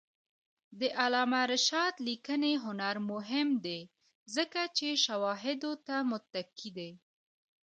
د علامه رشاد لیکنی هنر مهم دی ځکه چې شواهدو ته متکي دی.